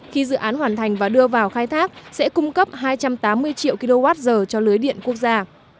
khi dự án hoàn thành và đưa vào khai thác sẽ cung cấp hai trăm tám mươi triệu kwh cho lưới điện quốc gia